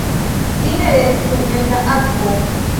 "Vi ne restu en la akvo!"